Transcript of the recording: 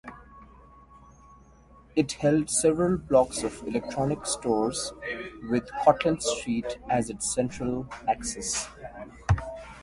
It held several blocks of electronics stores, with Cortlandt Street as its central axis.